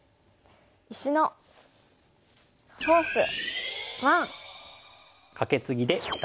「石のフォース１」。